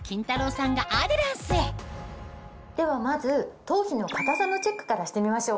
さんがではまず頭皮の固さのチェックからしてみましょうか。